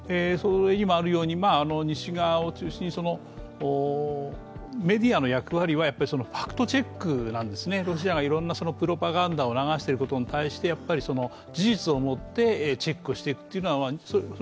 今あるように西側を中心にメディアの役割はファクトチェックなんですねロシアがいろんなプロパガンダを流していることに対してやはり事実をもってチェックしていく。